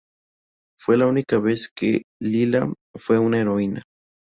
Fue la única vez que Lilah fue una heroína.